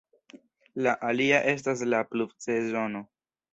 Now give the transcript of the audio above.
La alia estas la pluvsezono.